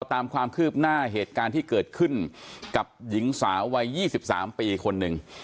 ตามความคืบหน้าเหตุการณ์ที่เกิดขึ้นกับหญิงสาววัย๒๓ปีคนหนึ่ง